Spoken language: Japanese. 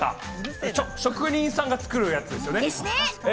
職人さんが作るやつですよね？